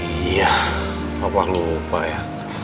iya bapak lupa ya